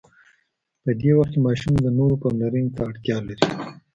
په دې وخت کې ماشوم د نورو پاملرنې ته اړتیا لري.